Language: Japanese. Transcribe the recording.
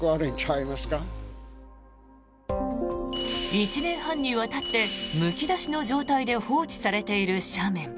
１年半にわたってむき出しの状態で放置されている斜面。